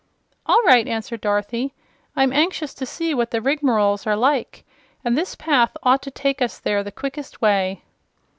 "All right," answered Dorothy. "I'm anxious to see what the Rigmaroles are like, and this path ought to take us there the quickest way."